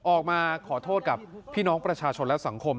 ออกมาขอโทษกับพี่น้องประชาชนและสังคม